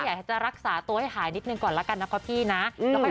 อยากจะรักษาตัวให้หายนิดหนึ่งก่อนแล้วกันนะคะพี่นะ